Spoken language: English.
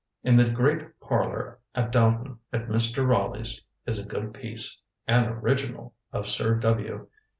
In the great parlour at Downton, at Mr. Ralegh's, is a good piece (an originall) of Sir W.